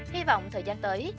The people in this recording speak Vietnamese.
hy vọng thời gian tới